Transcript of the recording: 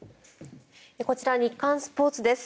こちら日刊スポーツです。